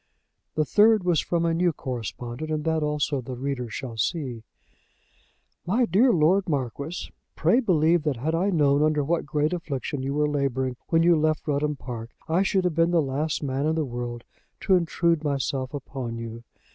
The third was from a new correspondent; and that also the reader shall see; "MY DEAR LORD MARQUIS, Pray believe that had I known under what great affliction you were labouring when you left Rudham Park I should have been the last man in the world to intrude myself upon you.